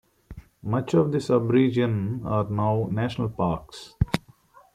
Much of the sub-region are now national parks.